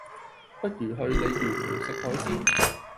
不如去鯉魚門食海鮮？